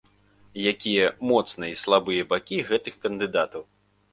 Якія моцныя і слабыя бакі гэтых кандыдатаў?